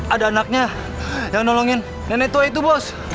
ada anaknya yang nolongin nenek tua itu bos